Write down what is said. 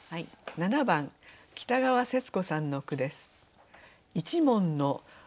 ７番北川瀬通子さんの句です。